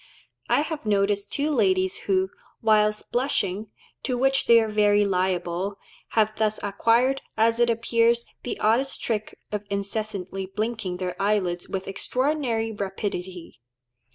I have noticed two ladies who, whilst blushing, to which they are very liable, have thus acquired, as it appears, the oddest trick of incessantly blinking their eyelids with extraordinary rapidity.